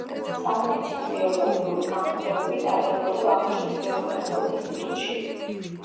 სამედიცინო-გეოგრაფიული გამოკვლევები ტარდებოდა ვახუშტის გეოგრაფიულ ინსტიტუტშიც.